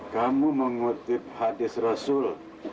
kamu mengutip hadis rasul